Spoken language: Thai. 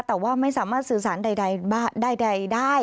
แต่ว่าไม่สามารถสื่อสารใดได้